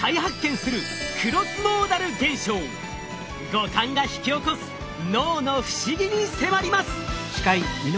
五感が引き起こす脳の不思議に迫ります！